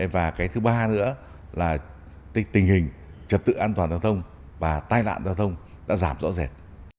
và cái thứ ba nữa là tình hình trật tự an toàn giao thông và tai nạn giao thông đã giảm rõ rệt